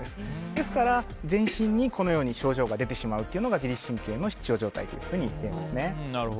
ですから全身にこのように症状が出てしまうっていうのが自律神経の失調状態と出ますね。